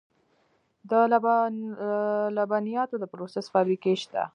د لبنیاتو د پروسس فابریکې شته